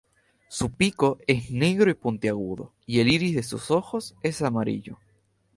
Su pico es negro y puntiagudo, y el iris de sus ojos es amarillo.